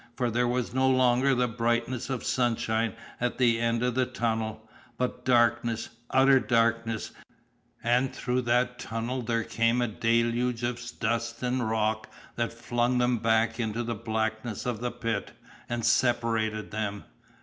For there was no longer the brightness of sunshine at the end of the tunnel, but darkness utter darkness; and through that tunnel there came a deluge of dust and rock that flung them back into the blackness of the pit, and separated them.